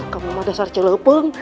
kamu pada saat jelepeng